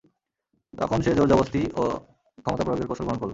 তখন সে জোর-জবরদস্তি ও ক্ষমতা প্রয়োগের কৌশল গ্রহণ করল।